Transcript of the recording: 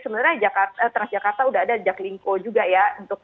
sebenarnya transjakarta udah ada jaklingko juga ya